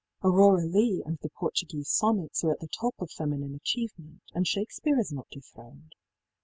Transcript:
ëAurora Leighí and the Portuguese Sonnets are at the top of feminine achievement, and Shakespeare is not dethroned.